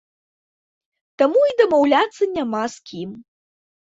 Таму і дамаўляцца няма з кім.